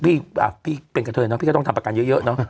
พี่เป็นกับเธอนะพี่ก็ต้องทำประกันเยอะ